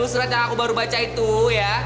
surat yang aku baru baca itu ya